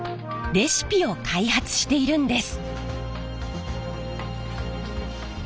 レシピを開発しているんです。